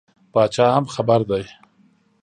پاچا هم خبر دی.